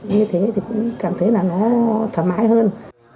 như thế thì cũng cảm thấy là nó thoải mái hơn